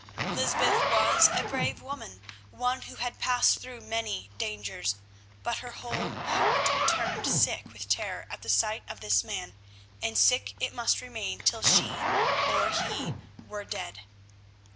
Lysbeth was a brave woman, one who had passed through many dangers, but her whole heart turned sick with terror at the sight of this man, and sick it must remain till she, or he, were dead.